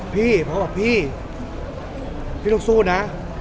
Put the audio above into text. พี่เพราะว่าพี่พี่ต้องสู้นะ